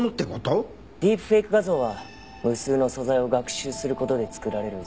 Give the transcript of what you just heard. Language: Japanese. ディープフェイク画像は無数の素材を学習する事で作られる実在しない画像です。